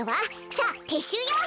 さあてっしゅうよ！